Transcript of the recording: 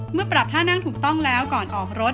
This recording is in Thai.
ปรับท่านั่งถูกต้องแล้วก่อนออกรถ